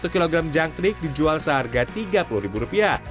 satu kg jangkrik dijual seharga tiga puluh ribu rupiah